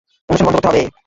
অনুষ্ঠান বন্ধ করতে হবে।